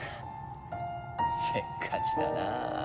せっかちだなあ。